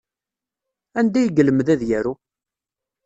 Anda ay yelmed ad yaru?